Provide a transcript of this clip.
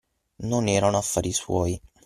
Non erano affari suoi.